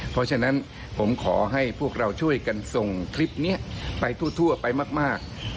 เพราะฉะนั้นผมขอให้พวกเราช่วยกันส่งคลิปนี้ไปทั่วไปมาก